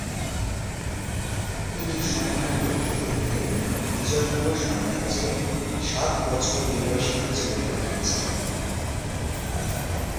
তিনি সম্মানিত অতিথি হয়ে বিজয়নগর সাম্রাজ্যে সাত বছর নির্বাসিত জীবন কাটিয়েছিলেন।